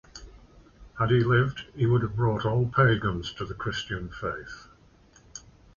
Had he lived, he would have brought all pagans to the Christian faith.